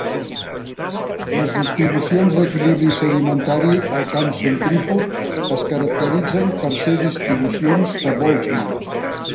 Les distribucions d'equilibri sedimentari al camp centrífug es caracteritzen per ser distribucions de Boltzmann.